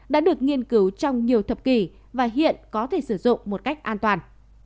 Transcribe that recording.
đã được nghiên cứu trong nhiều thập kỷ và hiện có thể sử dụng một cách an toàn